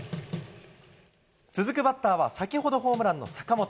続くバッターは、先ほどホームランの坂本。